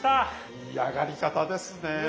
いい揚がり方ですね。